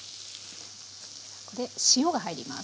ここで塩が入ります。